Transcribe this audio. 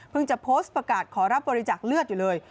เพิ่งจะโพสต์ประกาศขอรับบริจักษ์เลือดอยู่เลย